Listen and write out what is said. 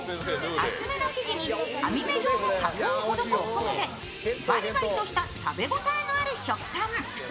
厚めの生地に網目状の加工を施すことで、バリバリとした食べ応えのある食感。